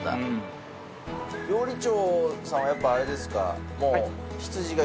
料理長さんはやっぱあれですか？